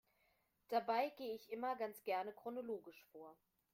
Dabei gehe ich immer ganz gerne chronologisch vor.